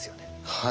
はい。